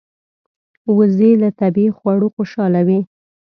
وزې له طبیعي خواړو خوشاله وي